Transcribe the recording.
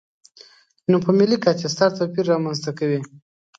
نو په ملي کچه ستر توپیر رامنځته کوي.